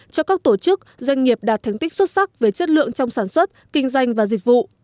cho các tổ chức doanh nghiệp đạt thành tích xuất sắc về chất lượng trong sản xuất kinh doanh và dịch vụ